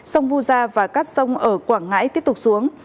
sông vu gia và các sông ở quảng ngãi tiếp tục xuống